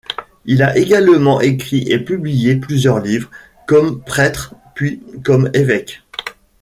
Il a également écrit et publié plusieurs livres, comme prêtre puis comme évêque.